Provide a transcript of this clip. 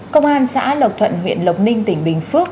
công an xã lộc thuận huyện lộc ninh tỉnh bình phước